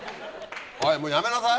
おいもうやめなさい。